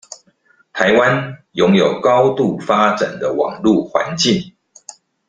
臺灣擁有高度發展的網路環境